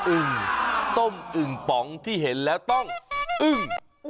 อึ่งต้มอึ่งป๋องที่เห็นแล้วต้องอึ้ง